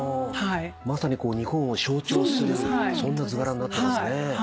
まさに日本を象徴するそんな図柄になってますね。